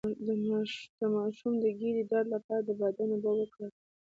د ماشوم د ګیډې درد لپاره د بادیان اوبه وکاروئ